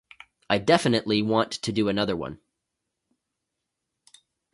I definitely want to do another one.